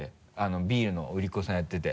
ビールの売り子さんやってて。